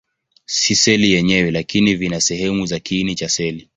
Si seli yenyewe, lakini vina sehemu za kiini cha seli.